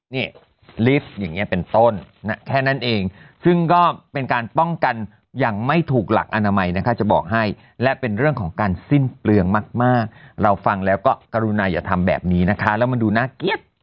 นี่ลิฟต์อย่างนี้เป็นต้นแค่นั้นเองซึ่งก็เป็นการป้องกันอย่างไม่ถูกหลักอนามัยนะคะจะบอกให้และเป็นเรื่องของการสิ้นเปลืองมากเราฟังแล้วก็กรุณาอย่าทำแบบนี้นะคะแล้วมันดูน่าเกลียด